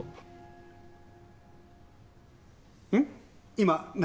今何？